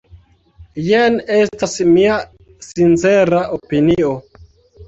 Jen estas mia sincera opinio.